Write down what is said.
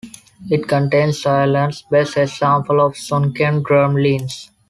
It contains Ireland's best example of sunken drumlins.